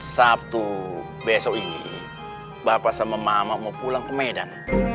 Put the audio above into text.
sabtu besok ini bapak sama mama mau pulang ke medan